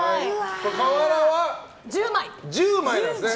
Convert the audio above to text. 瓦は１０枚ですね。